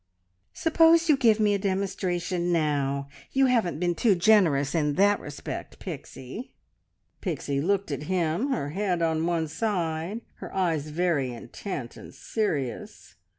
"Suppose you give me a demonstration now! You haven't been too generous in that respect, Pixie." Pixie looked at him, her head on one side, her eyes very intent and serious.